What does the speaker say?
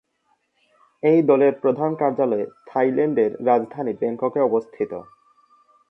এই দলের প্রধান কার্যালয় থাইল্যান্ডের রাজধানী ব্যাংককে অবস্থিত।